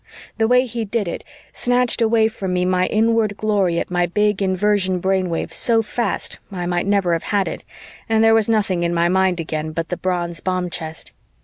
The way he did it snatched away from me my inward glory at my big Inversion brainwave so fast, I might never have had it, and there was nothing in my mind again but the bronze bomb chest.